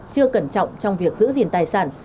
chưa cẩn trọng trong việc giữ gìn tài sản